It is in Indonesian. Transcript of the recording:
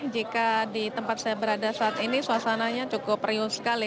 jika di tempat saya berada saat ini suasananya cukup riuh sekali